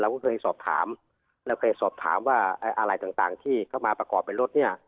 ก็เคยสอบถามแล้วเคยสอบถามว่าอะไรต่างที่เข้ามาประกอบเป็นรถเนี่ย